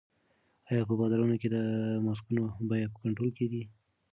آیا په بازارونو کې د ماسکونو بیې په کنټرول کې دي؟